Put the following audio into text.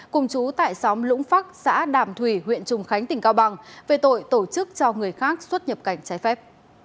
cùng chú tại xóm lũng phấc xã đàm thủy huyện trùng khánh tỉnh cao bằng về tội tổ chức cho người khác xuất nhập cảnh trái phép